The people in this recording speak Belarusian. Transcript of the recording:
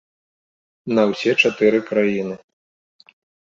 На ўсе чатыры краіны.